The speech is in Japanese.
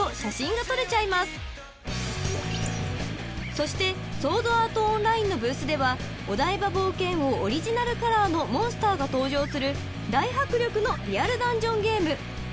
［そして『ソードアート・オンライン』のブースではお台場冒険王オリジナルカラーのモンスターが登場する大迫力のリアルダンジョンゲーム］